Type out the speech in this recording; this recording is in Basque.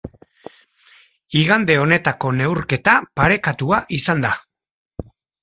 Igande honetako neurketa parekatua izan da.